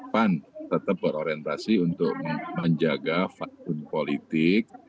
pan tetap berorientasi untuk menjaga faktun politik